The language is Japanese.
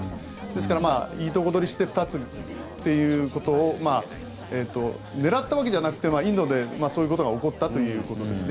ですから、いいとこ取りして２つっていうことを狙ったわけではなくてインドでそういうことが起こったということです。